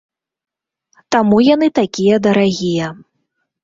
Таму яны такія дарагія.